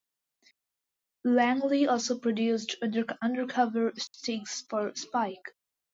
Langley also produced Undercover Stings for Spike.